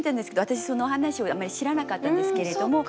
私そのお話をあんまり知らなかったんですけれども。